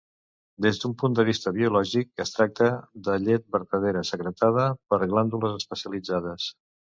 Des d'un punt de vista biològic, es tracta de llet vertadera, secretada per glàndules especialitzades.